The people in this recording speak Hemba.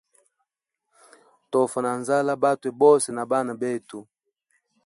Tofa na nzala bwatwe bose na bana betu.